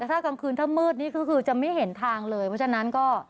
แต่ถ้ากลางคืนถ้ามืดนี่ก็คือจะไม่เห็นทางเลยเพราะฉะนั้นก็